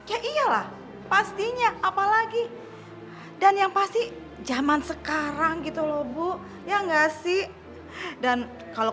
ya iyalah pastinya apalagi dan yang pasti zaman sekarang gitu loh bu ya enggak sih dan kalau